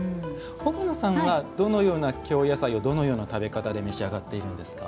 奥野さんはどのような京野菜をどのような食べ方で召し上がっているんですか？